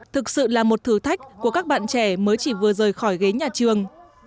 thực sự là một thử thách của các bạn trẻ mới chỉ vừa rời khỏi ghế nhà trường